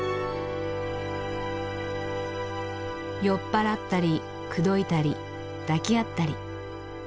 酔っ払ったり口説いたり抱き合ったり。